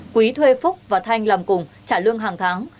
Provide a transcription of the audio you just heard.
quý thuê phúc và thanh làm cùng trả lương hàng tháng